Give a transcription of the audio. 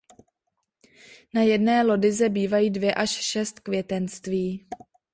Na jedné lodyze bývají dvě až šest květenství.